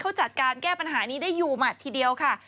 เขาจัดการแก้ปัญหานี้ได้อยู่หมัดทีเดียวค่ะ